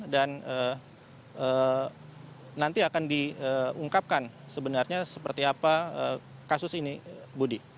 dan nanti akan diungkapkan sebenarnya seperti apa kasus ini budi